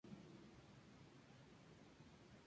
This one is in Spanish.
Luego agregaron una pequeña adición al edificio original.